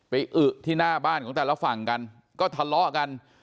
อึที่หน้าบ้านของแต่ละฝั่งกันก็ทะเลาะกัน